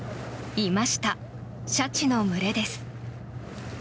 いました、シャチの群れです。